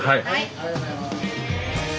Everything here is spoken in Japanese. ありがとうございます。